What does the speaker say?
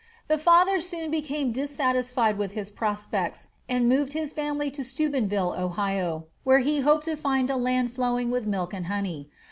The father soon became dissatisfied with his prospects, and moved his family to Steubenville, Ohio, where he hoped to find a land flowing with milk and honey.